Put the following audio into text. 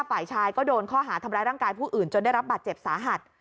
ฝ่ายชายก็โดนข้อหาทำร้ายร่างกายผู้อื่นจนได้รับบาดเจ็บสาหัส